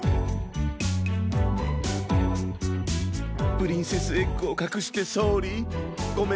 プリンセスエッグをかくしてソーリーごめんなさい。